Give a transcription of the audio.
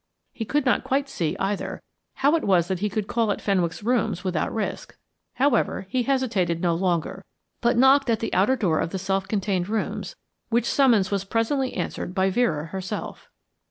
He could not quite see, either, how it was that he could call at Fenwick's rooms without risk. However, he hesitated no longer, but knocked at the outer door of the self contained rooms, which summons was presently answered by Vera herself.